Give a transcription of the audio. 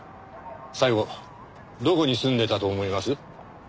最後どこに住んでたと思います？